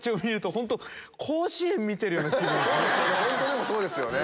ホントでもそうですよね。